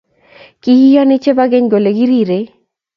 ki iyoni chebo keny kole kikirei